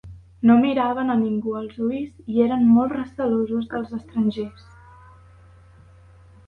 No miraven a ningú als ulls i eren molt recelosos dels estrangers.